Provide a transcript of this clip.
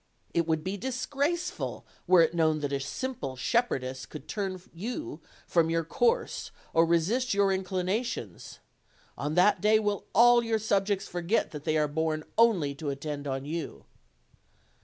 It would be disgraceful were it known that a simple shepherdess could turn you from your course or resist your inclina tions: on that day will all your subjects forget that they are born only to attend on you."